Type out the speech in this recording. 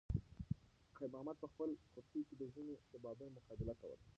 خیر محمد په خپل کورتۍ کې د ژمي د بادونو مقابله کوله.